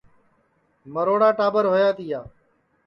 مروڑا ٹاٻر ہویا تِیا